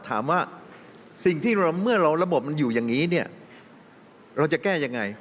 ถามว่าสิ่งที่เมื่อเราระบบมันอยู่อย่างนี้เนี่ยเราจะแก้ยังไง